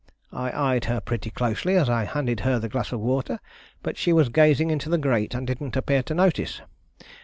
I eyed her pretty closely as I handed her the glass of water, but she was gazing into the grate, and didn't appear to notice.